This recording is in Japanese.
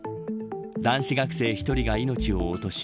男子学生１人が命を落とし